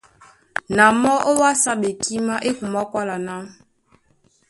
Na mɔ́ ówásá ɓekímá é kumwá kwála ná: